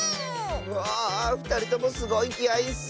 わあっふたりともすごいきあいッス！